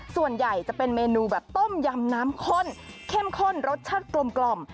ส่วนใหญ่จะเป็นเมนูแบบต้มยำน้ำข้นเข้มข้นรสชาติกลม